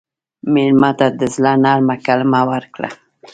مېلمه ته د زړه نرمه کلمه ورکړه.